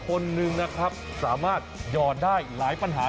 คนหนึ่งนะครับสามารถหยอดได้หลายปัญหา